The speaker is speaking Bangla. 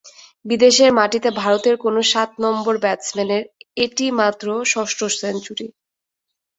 বিদেশের মাটিতে ভারতের কোনো সাত নম্বর ব্যাটসম্যানের এটি মাত্র ষষ্ঠ সেঞ্চুরি।